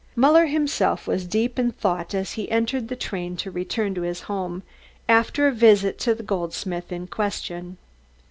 Muller himself was deep in thought as he entered the train to return to his home, after a visit to the goldsmith in question.